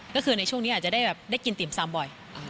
ก็คือในช่วงนี้อาจจะได้แบบได้กินติ่มซำบ่อย